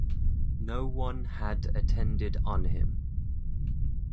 No one had attended on him.